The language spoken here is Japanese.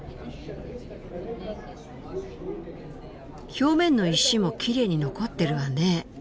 表面の石もきれいに残ってるわね。